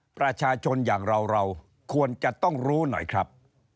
ประชาชนอย่างเราเราควรจะต้องรู้หน่อยครับ